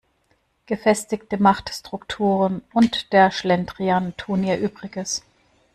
Gefestigte Machtstrukturen und der Schlendrian tun ihr Übriges.